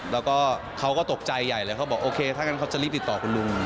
แล้วก็เขาก็ตกใจใหญ่เลยเขาบอกโอเคถ้างั้นเขาจะรีบติดต่อคุณลุง